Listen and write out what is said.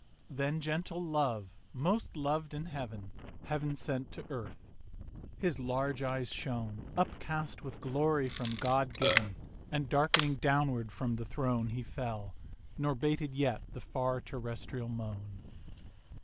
Then gentle Love, most loved in heaven, Heav'n sent to Earth. His large eyes shone, Upcast with glory from God given, And darkening downward from the Throne He fell: nor bated yet the far terrestrial moan.